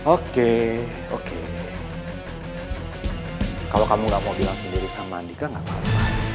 oke oke kalau kamu gak mau bilang sendiri sama andika gak apa apa